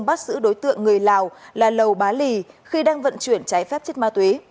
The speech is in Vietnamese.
bắt giữ đối tượng người lào là lầu bá lì khi đang vận chuyển trái phép chất ma túy